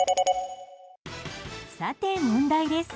さて問題です。